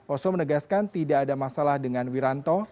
oso menegaskan tidak ada masalah dengan wiranto